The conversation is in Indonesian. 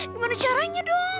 gimana caranya dong